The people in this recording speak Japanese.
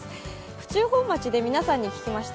府中本町で皆さんに聞きました。